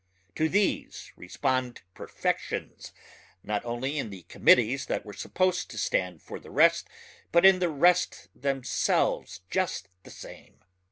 To these respond perfections not only in the committees that were supposed to stand for the rest but in the rest themselves just the same.